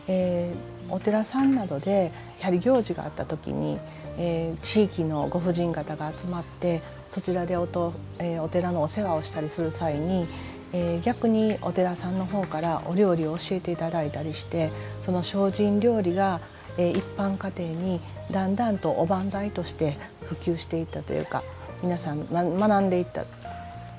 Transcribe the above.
お寺さんなどでやはり行事があった時に地域のご婦人方が集まってそちらでお寺のお世話をしたりする際に逆にお寺さんの方からお料理を教えて頂いたりしてその精進料理が一般家庭にだんだんとおばんざいとして普及していったというか皆さん学んでいった。